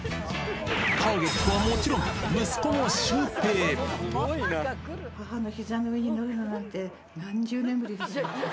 ターゲットはもちろん、息子のシ母のひざの上に乗るのなんて、何十年ぶりですよ。